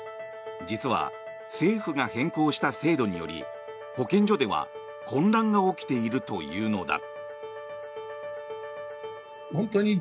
実は、政府が変更した制度により保健所では混乱が起きているというのだ。